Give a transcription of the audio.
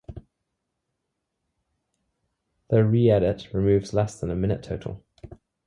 The reedit removes less than a minute total.